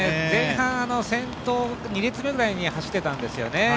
前半、先頭２列目くらいで走ってたんですよね